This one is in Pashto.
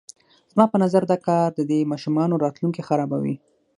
زما په نظر دا کار د دې ماشومانو راتلونکی خرابوي.